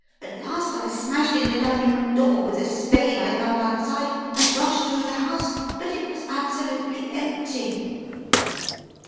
At last I smashed in the dining room door with a spade I found outside and rushed through the house, but it was absolutely empty!